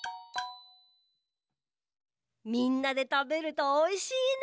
みんなでたべるとおいしいね。